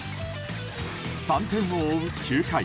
３点を追う９回。